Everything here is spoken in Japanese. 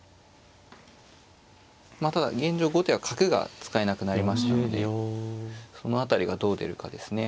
まあただ現状後手は角が使えなくなりましたのでその辺りがどう出るかですね。